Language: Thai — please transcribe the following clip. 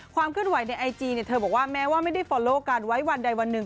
เคลื่อนไหวในไอจีเธอบอกว่าแม้ว่าไม่ได้ฟอลโลกันไว้วันใดวันหนึ่ง